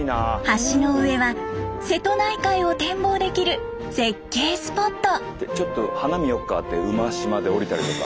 橋の上は瀬戸内海を展望できる絶景スポット。